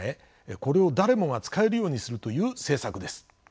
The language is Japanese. これを誰もが使えるようにするという政策です。